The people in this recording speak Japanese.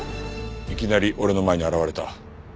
いきなり俺の前に現れた。